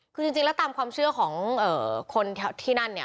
คือจริงแล้วตามความเชื่อของคนที่นั่นเนี่ย